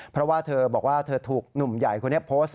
เพราะว่าเธอบอกว่าเธอถูกหนุ่มใหญ่คนนี้โพสต์